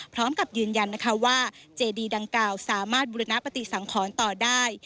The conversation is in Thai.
พร้อมกับยืนยันนะคะว่าเจดีดังกล่าวสามารถบุรณปฏิสังขรต่อได้